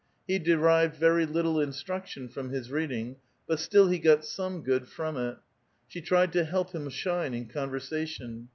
He derived very little instruction from his reading, but still he got some good from it. She tried to help him shine in conversation.